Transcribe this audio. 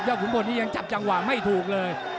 ยอดขุมพลมันยังจับจังหว่างไม่ถูกเลย